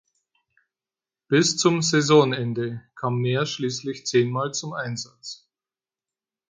Bis zum Saisonende kam mer schließlich zehnmal zum Einsatz.